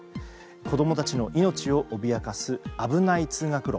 子供たちの命を脅かす危ない通学路。